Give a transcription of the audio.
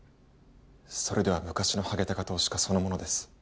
それでは昔のハゲタカ投資家そのものです